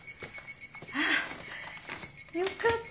ああよかった！